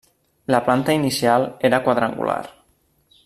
La planta inicial era quadrangular.